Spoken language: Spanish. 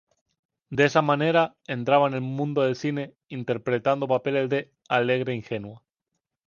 De esa manera entraba en el mundo del cine interpretando papeles de „alegre ingenua“.